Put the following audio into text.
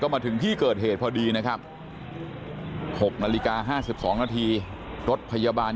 มาถึงที่เกิดเหตุพอดีนะครับ๖นาฬิกา๕๒นาทีรถพยาบาล